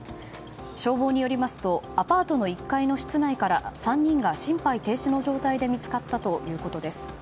消防によりますとアパートの１階の室内から３人が心肺停止の状態で見つかったということです。